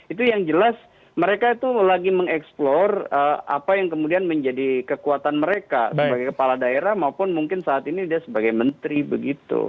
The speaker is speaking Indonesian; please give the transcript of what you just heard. itu yang jelas mereka itu lagi mengeksplor apa yang kemudian menjadi kekuatan mereka sebagai kepala daerah maupun mungkin saat ini dia sebagai menteri begitu